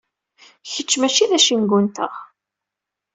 Kečč mačči d acengu-nteɣ.